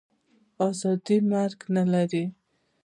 آزادي مرګ نه لري.